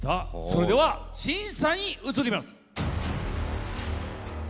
それでは審査に移ります。